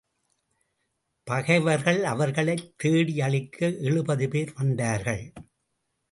பகைவர்கள் அவர்களைத் தேடி அழிக்க எழுபது பேர் வந்தார்கள்.